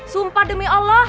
sumpah demi allah